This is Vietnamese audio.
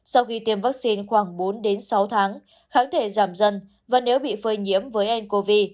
sau khi tiêm vaccine khoảng bốn sáu tháng kháng thể giảm dần và nếu bị phơi nhiễm với ncov